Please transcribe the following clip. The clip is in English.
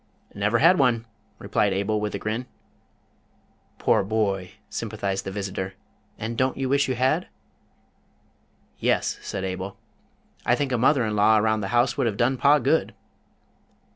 "Never had one," replied Abel, with a grin. "Poor boy," sympathized the visitor. "And don't you wish you had?" "Yes," said Abel. "I think a Mother in Law around the house would have done Pa good!"